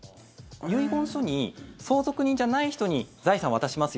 遺言書に相続人じゃない人に財産を渡します